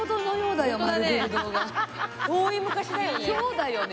遠い昔だよね。